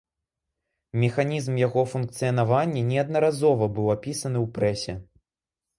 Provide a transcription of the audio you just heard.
Механізм яго функцыянавання неаднаразова быў апісаны ў прэсе.